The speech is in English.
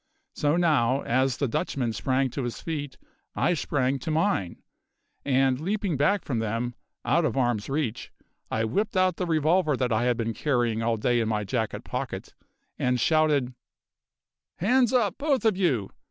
So now, as the Dutchman sprang to his feet I sprang to mine, and, leaping back from them, out of arms' reach, I whipped out the revolver that I had been carrying all day in my jacket pocket, and shouted: "Hands up, both of you!